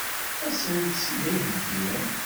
Ad sen-tt-id-iheggi?